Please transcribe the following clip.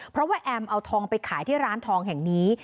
เพราะว่าแอมเอาทองไปขายที่ร้านทองแห่งนี้